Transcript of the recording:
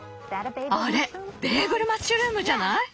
あれベーグルマッシュルームじゃない？